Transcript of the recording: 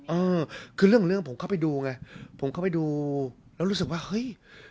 เออคือเรื่องของเรื่องผมเข้าไปดูไงผมเข้าไปดูแล้วรู้สึกว่าเฮ้ย